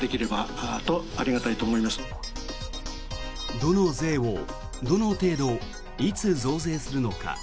どの税を、どの程度いつ、増税するのか。